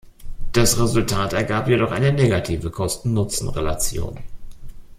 Das Resultat ergab jedoch eine negative Kosten-Nutzen-Relation.